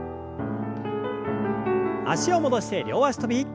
脚を戻して両脚跳び。